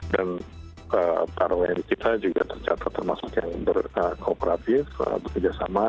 dan para orang yang di kita juga tercatat termasuk yang berkooperatif bekerja sama